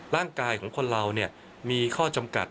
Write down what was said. ร่างกายของคนเรามีข้อจำกัด